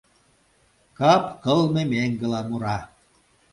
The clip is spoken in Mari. Кап кылме меҥгыла мура.